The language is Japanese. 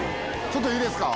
ちょっといいですか？